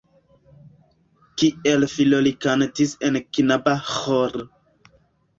Kiel filo li kantis en knaba ĥoro.